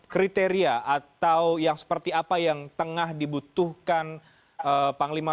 kriteria atau yang seperti apa yang tengah dibutuhkan panglima